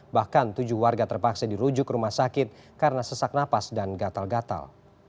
bahkan tujuh warga terpaksa dirujuk ke rumah sakit karena sesak napas dan gatal gatal